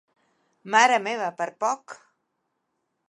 Mare meva, per poc!